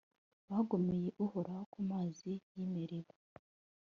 bagomeye uhoraho ku mazi y'i meriba